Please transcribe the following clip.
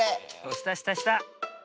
したしたした！